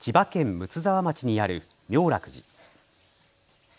睦沢町にある妙楽寺。